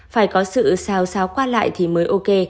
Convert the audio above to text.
phải có sự xào xáo qua lại thì mới ok